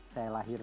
saya lahir di